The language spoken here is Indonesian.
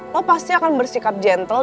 lo pasti akan bersikap gentle